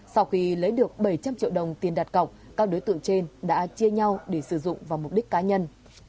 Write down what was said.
sau khi lấy được bảy trăm linh triệu đồng tiền đặt cọc các đối tượng trên đã chia nhau để sử dụng vào mục đích cá nhân